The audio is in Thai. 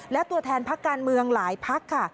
และตัวแทนพักการเมืองหลายพักค่ะ